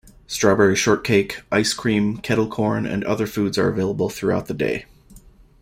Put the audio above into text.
Strawberry shortcake, ice cream, kettle corn and other foods are available throughout the day.